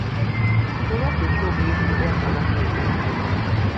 Bulwadde ki obuyitibwa akabakiro?